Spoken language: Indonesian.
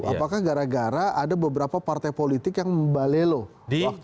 apakah gara gara ada beberapa partai politik yang membalelo waktu di pilkada jakarta